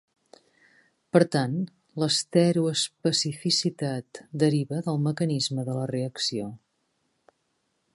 Per tant, l'estereoespecificitat deriva del mecanisme de la reacció.